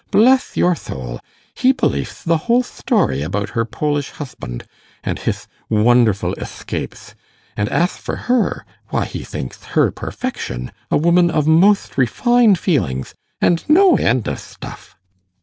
Bleth your thoul, he believth the whole thtory about her Polish huthband and hith wonderful ethcapeth; and ath for her why, he thinkth her perfection, a woman of motht refined feelingth, and no end of thtuff.